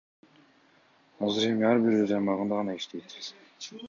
Азыр эми ар бири өз аймагында гана иштейт.